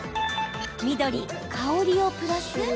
緑・香りをプラス？